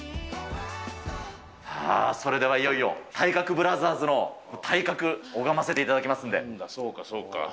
それではいよいよ体格ブラザーズの体格、拝ませていただきますのなんだ、そうか、そうか。